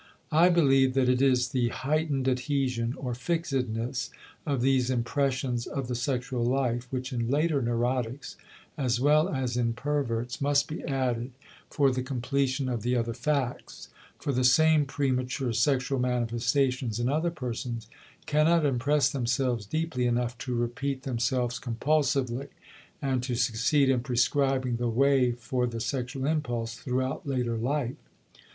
I believe that it is the heightened adhesion or fixedness of these impressions of the sexual life which in later neurotics, as well as in perverts, must be added for the completion of the other facts; for the same premature sexual manifestations in other persons cannot impress themselves deeply enough to repeat themselves compulsively and to succeed in prescribing the way for the sexual impulse throughout later life.